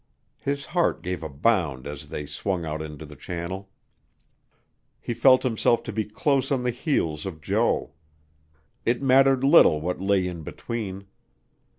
His heart gave a bound as they swung out into the channel. He felt himself to be close on the heels of Jo. It mattered little what lay in between.